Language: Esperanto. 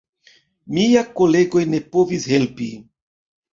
Miaj kolegoj ne povis helpi.